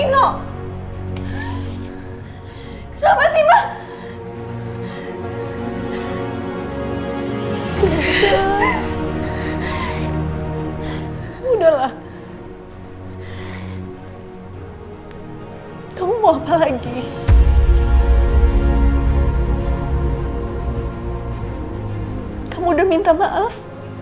lo kenapa sih mbak udah udah lah kamu mau apa lagi kamu udah minta maaf